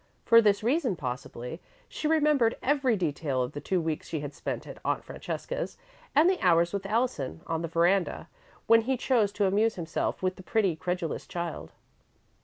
For this reason, possibly, she remembered every detail of the two weeks she had spent at Aunt Francesca's and the hours with Allison, on the veranda, when he chose to amuse himself with the pretty, credulous child.